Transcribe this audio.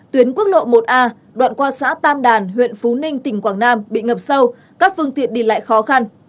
tuyến quốc lộ một a đoạn qua xã tam đàn huyện phú ninh tỉnh quảng nam bị ngập sâu các phương tiện đi lại khó khăn